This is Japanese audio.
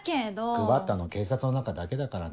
配ったの警察の中だけだからね。